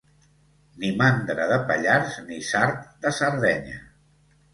Ni mandra de Pallars, ni sard de Sardenya.